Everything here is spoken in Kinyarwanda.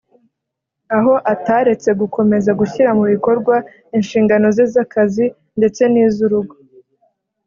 aho ataretse gukomeza gushyira mu bikorwa inshingano ze z’akazi ndetse n’iz’urugo